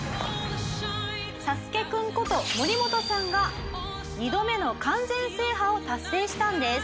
サスケくんこと森本さんが２度目の完全制覇を達成したんです。